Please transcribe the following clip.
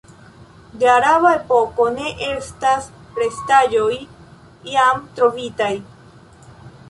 De araba epoko ne estas restaĵoj jam trovitaj.